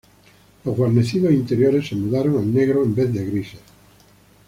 Los guarnecidos interiores se mudaron al negro en vez de grises.